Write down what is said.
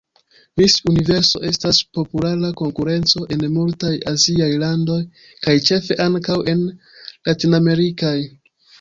Miss Universo estas populara konkurenco en multaj aziaj landoj kaj ĉefe ankaŭ en latinamerikaj.